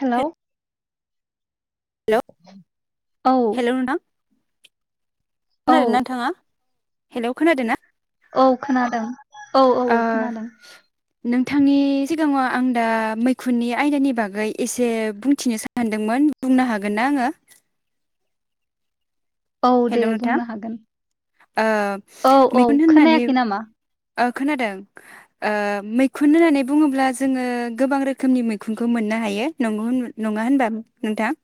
हेल' हेल' औ हेल' नोंथां औ खोनादोंना नोंथाङा हेल' खोनादोंना औ खोनादों औ औ खोनादों नोंथांनि सिगाङाव आं दा मैखुननि आयदानि बागै एसे बुंथिनो सानदोंमोन बुंनो हागोन ना आङो औ दे हेलौ नोंथां बुंनो हागोन। ओ औ औ मैखुन होननानै खोनायाखै नामा ओ खोनादों मैखुन होननानै बुङोब्ला जोङो गोबां रोखोमनि मैखुनखौ मोननो हायो नंगौ नङा होनबा नोंथां।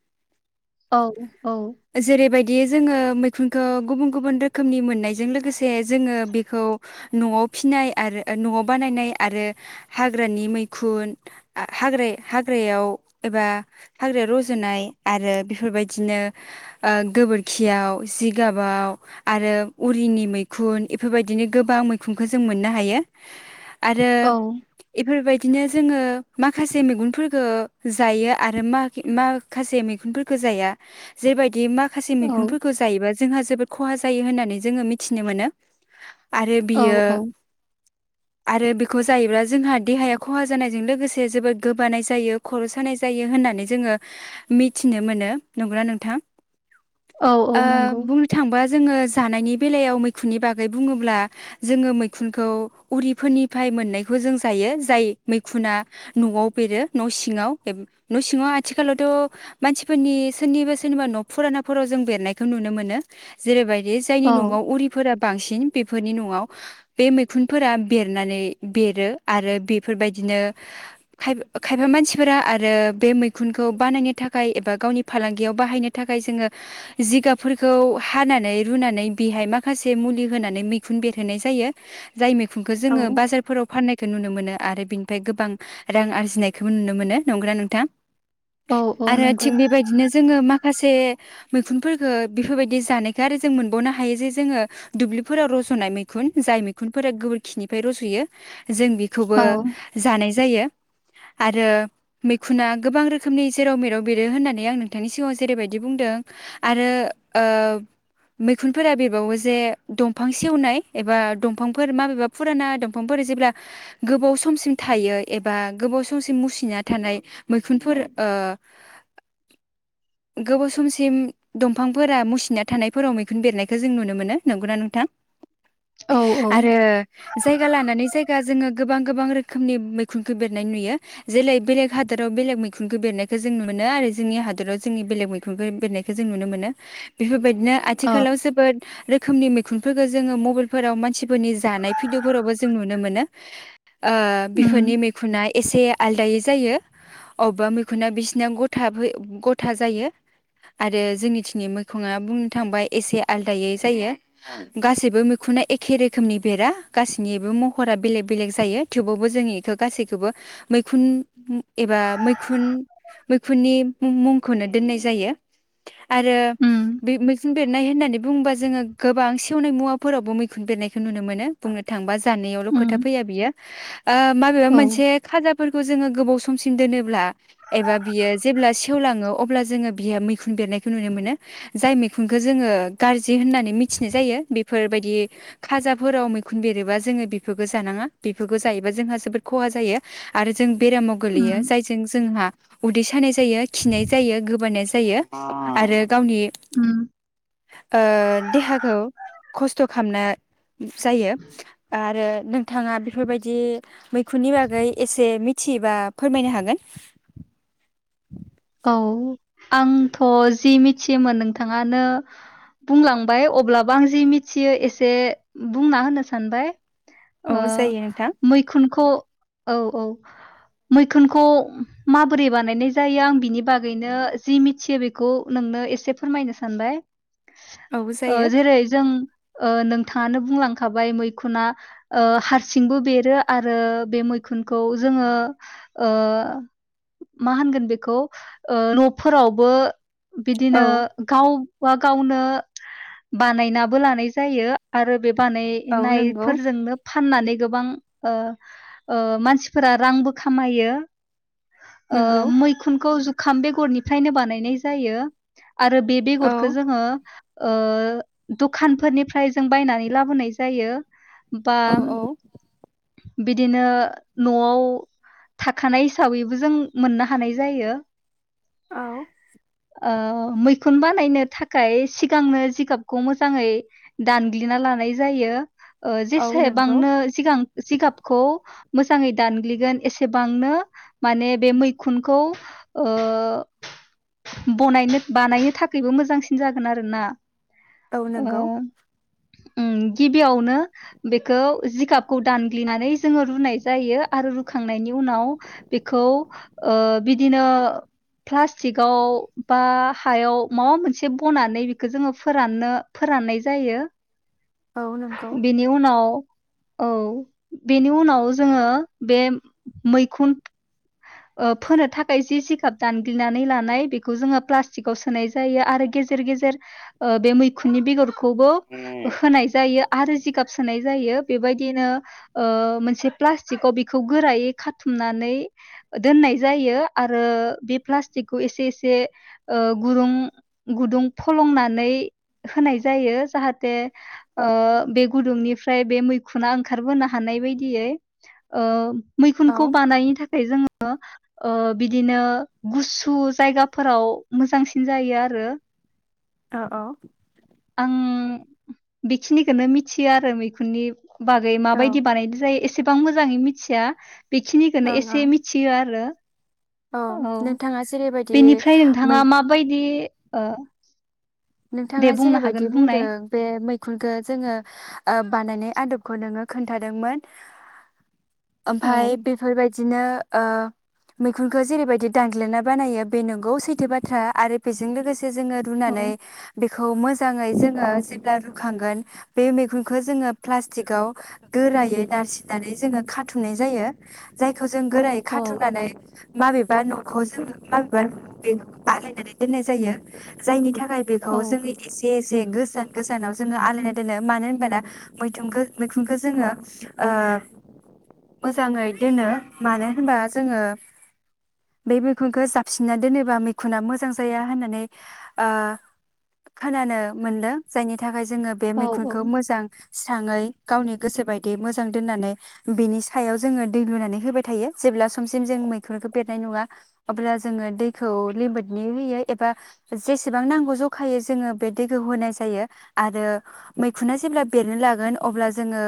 औ औ जेरैबायदि जोङो मैखुनखौ गुबुन-गुबुन रोखोमनि मोननायजों लोगोसे जोङो बेखौ न'आव फिनाय आरो न'आव बानायनाय आरो हाग्रानि मैखुन हाग हाग्रायाव एबा हाग्रायाव रज'नाय आरो बेफोरबायदिनो गोबोर खियाव जिगाबाव आरो उरिनि मैखुन बेफोरबायदिनो गोबां मैखुनखौ जों मोननो हायो। आरो औ इफोरबायदि बिदिनो जोङो माखासे मैगुनफोरखो जायो आरो माख माखासे मैगखुनफोरखो जाया जेबायदि माखस खुफोरखौ जायोबा जोंहा जोबोद खहा जायो होननानै जोङो मिथिनो मोनो। आरो औ बियो आरो बेखौ जायोब्ला जोंहा देहाया खहा जानायजों लोगोसे जोबोद गोबानाय जायो खर' सानाय जायो होननानै जोङो मिथिनो मोनो नंगोना नोंथां औ औ ओ नंगौ बुंनो थांबा जोङो जानायनि बेलायाव मैखुननि बागै बुङोब्ला जोङो मैखुनखौ उरिफोरनिफ्राय मोननायखौ जों जायो जाय मैखुना न'आव बेरो न' सिङाव बे न' सिङाव आथिखालावथ' मानसिफोरनि सोरनिबा-सोरनिबा न' फुराना फोराव जों बेरनायखौ नुनो मोनो। जेरैबायदि जायनि औ न'आव उरिफोरा बांसिन बेफोरनि न'आव बे मैखुनफोरा बेरनानै बेरो आरो बेफोरबायदिनो खाय खायफा मानसिफोरा आरो बे मैखुनखौ बानायनो थाखाय एबा गावनि फालांगियाव बाहायनो थाखाय जोङो जिगाबफोरखौ हानानै रुनानै बेहाय माखासे मुलि होनानै मैखुन बेरहोनाय जायो। जाय मैखुंखो औ जोङो बाजारफोराव फान्नायखौ नुनो मोनो। आरो बिनिफ्राय गोबां रां आरजिनायखौबो नुनो मोनो नंगौना नोंथां। औ औ आरो नंगौ थिग बेबायदिनो जोङो माख माखासे मैखुनफोरखो बेफोरबायदि जानायखौ आरो जों मोनबावनो हायो जे जोङो दुब्लिफोराव रज'नाय मैखुन जाय मैखुनफोरा गोबोरखिनिफ्राय रज'यो। जों औ बेखौबो जानाय जायो। आरो मैखुना गोबां रोखोमनि जेराव मेराव बेरो होननानै आं नोंथांनि सिगाङाव जेरैबायदि बुंदों आरो ओ मैखुनफोरा बेरबावो जे दंफां सेवनाय एबा दंफांफोर माबेबा फुराना दंफांफोर जेब्ला गोबाव समसिम थायो एबा गोबाव समसिम मुसिना थानाय मैखुनफोर ओ गोबाव स समसिम दंफांफोरा मुसिना थानायफोराव मैखुन बेरनायखौ जों नुनो मोनो नंगौना नोंथां? औ औ आरो जायगा लानानै जायगा जोङो गोबां गोबां रोखोमनि मैखुनखौ बेरनाय नुयो जेलै बेलेग हादराव बेलेग मैखुनखौ बेरनायखौ जों नु मोनो आरो जोंनि हादोराव जोंनि बेलेग मैख [unintelligible] बेरनायखौ जों नुनो मोनो बेफोरबायद बिदिनो औ आथिखालाव जोबोद रोख रोखोमनि मैखुनफोरखौ जोङो मबाइलफोराव मानसि बेफोरनि जानाय फिद'फोरावबो जों नुनो मोनो ओ उम बिफोरनि मैखुना एसे आलदायै जायो। अबेबा मैखुना बिसिनाया गथाफै गथा जायो। आरो जोंनिथिंनि मैखुङा बुंनो थांबा एसे आलदायै जायो गासैबो मैखुना एखे रोखोमनि बेरा गासैनिबो महरा बेलेग बेलेग जायो थेवबावबो जों इखौ गासैखौबो मैखुन एबा मैखुन मैखुननि मुंखौनो दोननायज जायो आरो उम बिब [unintelligible] मैखुन बेरनाय होननानै बुङोबा जोङो गोबां सेवनाय मुवाफोरावबो मैखुन बेरनाय नुनो मोनो बुंनो थांबा जानायावल' खोथा उम फैया बियो ओ माबेबा औ मोनसे खाजाफोरखौ जोङो गोबाव स समसिन दोनोब्ला एबा बियो जेब्ला सेवलाङो अब्ला जोङो बियो मैखुन बेरनायखौ नुनो मोनो। जाय मैखुनखौ जोङो गाज्रि होननानै मिथिनाय जायो, बेफोरबायदि खाजाफोराव मैखुन बेरोबा जोङो बेफोरखौ जानाङा, बिफोरखौ जायोबा जोंहा जोबोद खहा जायो आरो जों बेरामाव गोलैयो, उम जायजों जोंहा उदै सानाय जायो, खिनाय जायो, गोबानायज जायो आरो गावनि उम ओ देहाखौ खस्थ' खालामनो जायो आरो नोंथाङा बेफोरबायदि मैखुननि बागै एसे मिथियोबा फोरमायनो हागोन। औ आंथ' जि मिथियोमोन नोंथाङानो बुंलांबाय अब्लाबो आं जि मिथियो एसे बुंना होनो सानबाय। औ ओ जायो नोंथां मैखुनख औ औ मैखुनखौ माबोरै बानायनाय जायो आं बिनि बागैनो जि मिथियो बेखौ नोंनो एसे फोरमायनो सानबाय। औ ओ जायो जेरै जों ओ नोंथाङानो बुंलांखाबाय मैखुना ओ हारसिंबो बेरो आरो बे मैखुनखौ जोङो ओ मा होनगोन बेखौ ओ न'फोरावबो औ बिदिनो गाव बा गावनो बानायनाबो लानाय जायो आरो बेफ औ नंगौ बानायनायफोरजोंनो फाननानै गोबां ओ ओ मानसिफोरा रांबो खामायो। ओ नंगौ मैखुन खौ जुखाम बेगरनिफ्रायनो बानायनाय जायो। आरो बे औ बेगरखौ जोङो ओ दखानफोरनिफ्राय जों बायनानै लाबोनाय जायो। बा औ औ। बिदिनो न'आव थाखानाय हिसाबैबो जों मोननो हानाय जायो। औ। ओ मैखुन बानायनो थाखाय सिगांनो जिगाबखौ मोजाङै दानग्लिना लानाय जायो। ओ औ नंगौ जेसेबांनो सिगां जिगाबखौ मोजाङै दानग्लिगोन एसेबांनो माने बे मैखुनखौ ओ बनायनो बानायनो थाखायबो मोजांसिन जागोन आरो ना। औ नंगौ। ओम गिबियावनो बेखौ जिगाब खौ दानग्लिनानै जोङो रुनाय जायो आरो रुखांनायनि उनाव बेखौ ओ बिदिनो प्लास्टिकआव बा हायाव माबा मोनसे बनानै बेखौ जोङो फोराननो फोराननाय जायो। औ नंगौ बिनि उनाव औ, बेनि उनाव जोङो बे मैखुन ओ फोनो थाखाय जि जिखाब दानग्लिनानै लानाय बेखौ जोङो प्लास्टिकाव सोनाय जायो आरो गेजेर गेजेर ओ बे मैखुननि बेगर खौबो औ होनाय जायो आ आरो जिगाब सोनाय जायो बेबाय दिनो ओ मोनसे प्लास्टिकआव बेखौ गोरायै खाथुमनानै दोननाय जायो आरो बे प्लास्टिकखौ एसे एसे ओ गुदुं गुदुं फलंनानै होनाय जायो। जाहाथे ओ बे गुदुंनिफ्राय बे मै खुना ओंखारबोनो हानाय बायदियै ओ औ औ मैखुनखौ बानायनि थाखाय जोङो ओ बिदिनो गुसु जायगाफोराव मोजांसिन जायो आरो। अ औ। आं बेखिनिखो नो मिथियो आरो मैखुननि बागै माबायदि बानायनाय जायो ए सेबां मोजाङै मिथिया बेखिनिखौनो ओं एसे ओं मिथियो आरो। औ नोंथाङा जेरैबायदि बेनिफ्राय मै नोंथाङा माबायदि ओ। नोंथाङा दे बुंनो हागोन जेरैबायदि बुंनाय बुंदों जे मै खुंखौ जोङो ओ बानायनाय आदबखौ नोङो खोन्थादोंमोन। औ ओमफाय बेफोरबाय दिनो ओ मैखुनखौ जेरैबायदि दानग्लिना बानायो बे नंगौ सैथो बाथ्रा आरो बेजों लोगोसे से जोङो औ रुनानै बेखौ मोजाङै जोङो जेब्ला रुखांगोन बे मैगुनखौ जोङो प्लास्टिकआव गोरायै नारसिननानै जोङो खाथुमनाय जायो जाय खौ जों गोरायै औ खाथुमनानै। माबेबा न'खौ जों माबेबा बे बानायायनानै दोननाय जायो जायनि थाखाय बेखौ औ जोंनि एसे जे गोजान गोजानाव जोङो आलायना दोनो मानो होनबाना मैथुंनखो मैखुनखो जोङो ओ मोजाङै दोनो मानो होनबा जोङो बे मैखुनखो जाबसिनना दोनोबा मैखुना मोजां जाया होननानै ओ खोनानो मोनदों जायनि थाखाय जोङो बे औ मैखुनखौ मोजां स्राङै गावनि गोसो बायदि मोजां दोननानै बिनि सायाव जोङो दै लुनानै होबाय थायो जेब्ला समसिम जों मैखुनखौ बेरनाय नङा अब्ला जोङो दैखौ लिमिदनि होयो एबा जेसेबां नांगौ ज खायै जोङो बे दैखौ होनाय जायो आरो मैखुना जेब्ला बेरनो लागोन अब्ला जोङो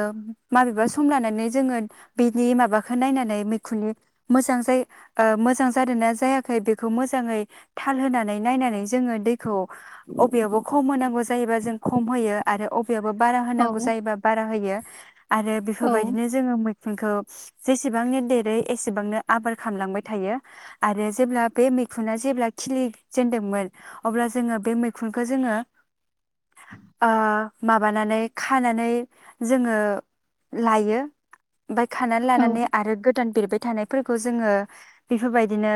माबेबा सम लानानै जोङो बेनि माबाखौ नायनानै मैखुननि मोजां जायो ओ मोजां जादों ना जायाखै बेखौ मोजाङै थाल होनानै नायनानै जोङो दैखौ अबेयावबो खम होनांगौ जायोबा जों खम होयो आरो अबे बा औ बाराहोनांगौ जायोबा बारा होयो आरो औ बेफोरबायदिनो जोङो म खुनखौ जेसेबांनो देरो एसेबांनो आबार खालामलांबाय थायो आरो जेब्ला बे मैखुना जेब्ला खिलिजेनदोंमोन अब्ला जोङो बे मैखुनखो जोङो ओ माबानानै खानानै जोङो लायो। ओमफाय खानानै औ लानानै आरो गो दान बेरबाय थानायफोरखौ जोङो बेफोरबायदिनो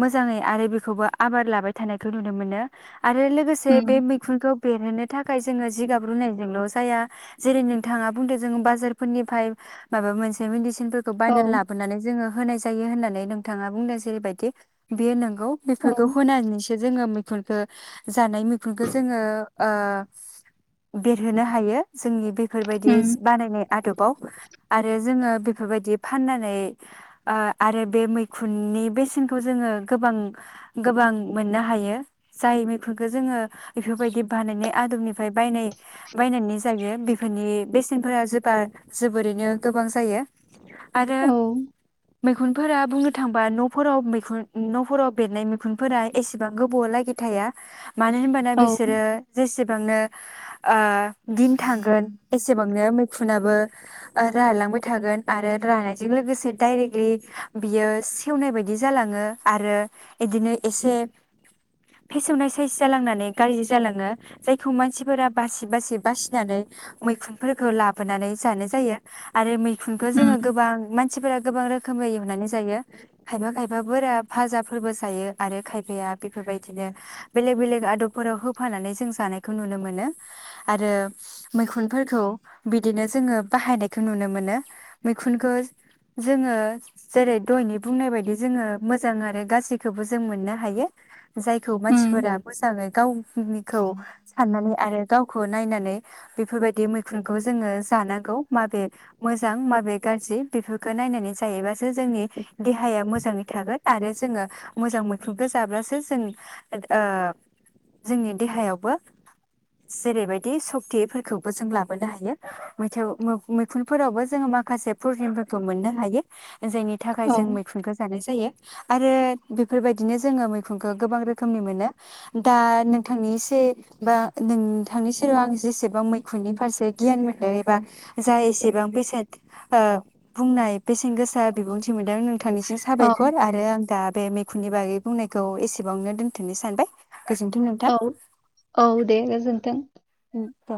मोजाङै आरो बेखौबो आबाद लाबाय थानायखौ नुनो मोनो। आरो लोगोसे बे उम मैखुनखौ बेरहोनो था [unintelligible] जोङो जिगाब रुनायजोंल' जाया जेरै नोंथाङा बुंदों जों बाजारफोरनिफाय माबा मोनसे मेडिसिन औ बायनानै लाबोनानै जोङो होनाय जा होननानै नोंथाङा बुंदों जेरैबायदि बे [unintelligible] औ बेफोरखौ होनानैसो जोङो मैखुनखो जानाय मैखुनखो जोङो ओ देरहोनो हायो। जोंनि बेफोरबायदि उम बानायनाय आदबाव आरो जोङो। बेफोरबायदि फाननानै आ आरो बे मैखुननि बेसेनखौ जोङो गोबां गोबां मोननो हायो। जाय मैखुनखौ जोङो बेफोरबायदि बानायनाय आदबनिफ्राय बायनाय बायनानै जायो बेफोरनि बेसेनफोरा जोबा जोबोरैनो गोबां जायो। आरो औ। मैखुनफोरा बुंनो थांबा न'फोराव मैख न'फोराव बेरनाय मैखुनफोरा एसेबां गोबावलागि थाया मानो होनबाना औ बिसोरो जेसेबांनो दिन थांगोन एसेबांनो मैखुनाबो रालांबाय थागोन आरो रानायजों लोगोसे डायरेक्टलि बियो सेवनाय बायदि जालाङो आरो बिदिनो एसे फेसवनाय साइस जालांनानै गाज्रि जालाङो जायखौ मानसिफोरा बासि बासि बासिनानै मैखुनफोरखौ लाबोनानै जानो जायो आरो मै फुनखौ उम जोङो गोबां मानसिफोरा गोबां रोखोम रोखोमै एवनानै जायो खायफा खायफाफोराा भाजाफोरबो जायो आरो खायफाया बेफोरबायदि बिदिनो बेलेग बेलेग आदबफोराव होफानानै जों जानायखौ नुनो मोनो आरो मैखुनफोरखौ बिदिनो जोङो बाहायनायखौ नुनो मोनो मैखुनखौ जोङो जेरै दयनि बुंनाय बायदि जोङो मोजां आरो गासैखौबो जों मोननो हायो जायखौ उम मानसिफोरा मोजाङै गावनि साननानै आरो गावखौ नायनानै बेफोरबायदि मैखुनखौ जोङो जानांगौ माबे मोजां माबे गाज्रि बेफोरखौ नायनानै जायोबासो जोंनि देहाया मोजाङै थागोन आरो जोङो मोजां मैखुनखौो जाब्लासो जों जोंनि देहायावबो जेरैबायदि सक्तिफोरखौबो जों लाबोनो हायो म मैखुनफोरावबो जोङो माखासे प्रटिनफोरखौ मोननो हायो जायनि थाखाय औ जों मैखुनखौ जानाय ज आरो बेफोरबायदिनो जोङो मै मैखुनखौ गोबां रोखोमनि मोनो दा नोंथांनि बा नोंथांनि सेराव आं जेसेबां मैखुननि फारसे गियान मोनदों एबा जा एसेबां फैसा बुंनाय बेसेन गोसा बिबुंथि मोनदों नोंथांनिसिम औ साबायखर आरो आं दा बे दखुनि बागै बुंनाय खौ एसेबावनो दोनथनो सानबाय गोजोन्थों नोंथां औ औ दे गोजोनथों मिथ